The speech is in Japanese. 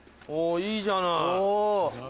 おぉいいじゃない。